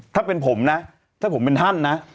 ถ้าผมเป็นท่านนะ